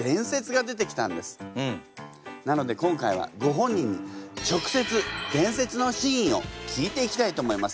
なので今回はご本人に直接伝説の真意を聞いていきたいと思います。